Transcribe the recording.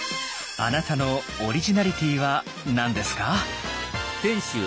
あなたのオリジナリティーは何ですか？